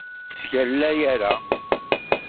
Ur ttgalla ara!